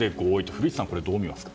古市さんはどう見ますか？